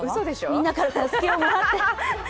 みんなからたすきをもらって。